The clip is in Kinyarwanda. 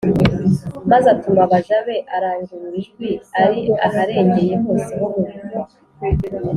maze atuma abaja be, arangurura ijwi ari aharengeye hose ho mu murwa,